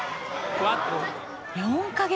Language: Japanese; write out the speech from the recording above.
４か月！